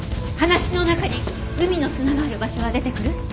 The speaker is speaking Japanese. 話の中に海の砂がある場所は出てくる？